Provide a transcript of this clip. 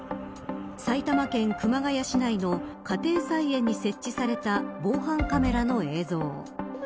埼玉県熊谷市内の家庭菜園に設置された防犯カメラの映像。